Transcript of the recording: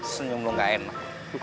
senyum lo gak enak